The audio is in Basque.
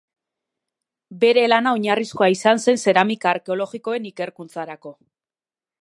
Bere lana oinarrizkoa izan zen zeramika arkeologikoen ikerkuntzarako.